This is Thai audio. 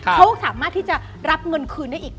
เขาสามารถที่จะรับเงินคืนได้อีก